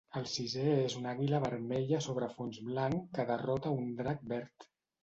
El sisè és una àguila vermella sobre fons blanc que derrota a un drac verd.